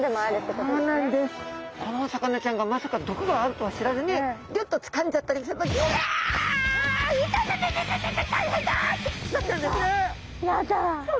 このお魚ちゃんがまさか毒があるとは知らずにギュッとつかんじゃったりするとってなっちゃうんですね。